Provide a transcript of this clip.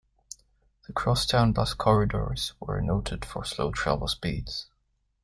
The crosstown bus corridors were noted for slow travel speeds.